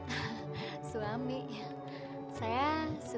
saya sudah lama menjaga